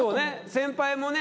先輩もね